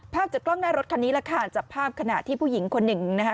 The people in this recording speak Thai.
จากกล้องหน้ารถคันนี้แหละค่ะจับภาพขณะที่ผู้หญิงคนหนึ่งนะคะ